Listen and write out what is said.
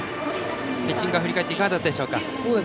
ピッチング、振り返っていかがだったでしょうか。